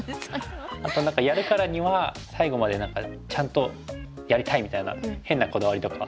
あと何かやるからには最後までちゃんとやりたいみたいな変なこだわりとかあったり。